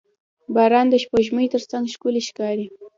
• باران د سپوږمۍ تر څنګ ښکلی ښکاري.